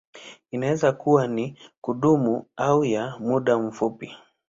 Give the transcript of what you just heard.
Inaweza kuwa ya kudumu au ya muda mfupi.